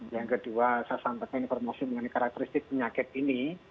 yang kedua saya sampaikan informasi mengenai karakteristik penyakit ini